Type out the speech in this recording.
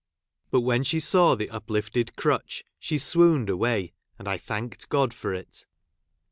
But when she saw the uplifted crutch she swooned away, and I thanked God for it.